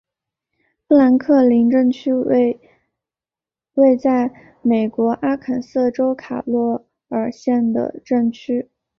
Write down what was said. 富兰克林镇区为位在美国阿肯色州卡洛尔县的镇区。